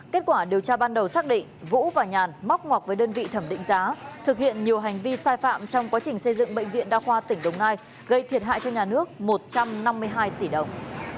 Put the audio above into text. kết quả điều tra ban đầu xác định vũ và nhàn móc ngoc với đơn vị thẩm định giá thực hiện nhiều hành vi sai phạm trong quá trình xây dựng bệnh viện đa khoa tỉnh đồng nai gây thiệt hại cho nhà nước một trăm năm mươi hai tỷ đồng